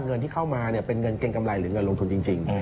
เงินที่เข้ามาเป็นเงินเกรงกำไรหรือเงินลงทุนจริง